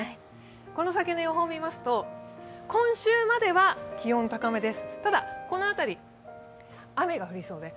この先の予報を見ますと、今週までは気温は高めです。